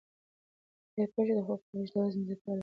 آیا پوهېږئ چې د خوب کمښت د وزن د زیاتوالي یو لامل دی؟